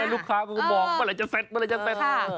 ลูกค้ามันก็บอกเมื่อไหร่จะเซต